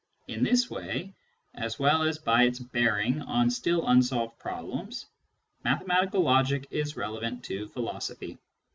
In this way, as well as by its bearing on still unsolved problems, mathematical logic is relevant to philosophy.